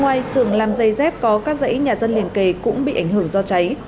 ngoài xưởng làm giấy dép có các giấy nhà dân liền kề cũng bị ảnh hưởng do cháy